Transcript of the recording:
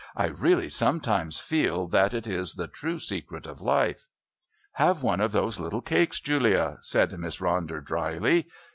I really sometimes feel that is the true secret of life." "Have one of those little cakes, Julia," said Miss Ronder drily.